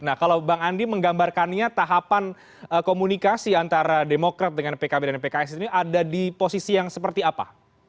nah kalau bang andi menggambarkannya tahapan komunikasi antara demokrat dengan pkb dan pks ini ada di posisi yang seperti apa